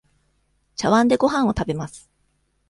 ちゃわんでごはんを食べます。